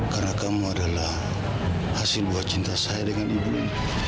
karena kamu adalah hasil buah cinta saya dengan ibu ini